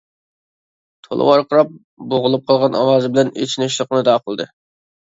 تولا ۋارقىراپ، بوغۇلۇپ قالغان ئاۋازى بىلەن ئېچىنىشلىق نىدا قىلدى.